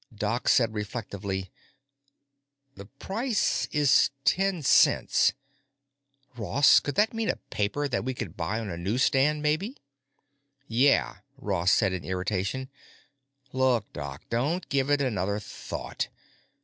Doc said reflectively, "'The price is ten cents.' Ross, could that mean a paper that we could buy on a newsstand, maybe?" "Yeah," Ross said in irritation. "Look, Doc, don't give it another thought.